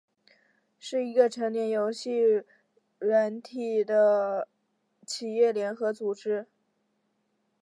是一个成人游戏软体的企业联合组织。